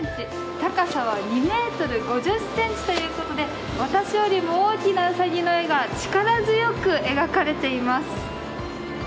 高さは２ｍ５０ｃｍということで私よりも大きなウサギの絵が力強く描かれています。